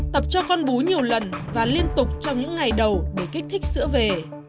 tập cho con bú nhiều lần và liên tục trong những ngày đầu để kích thích sữa về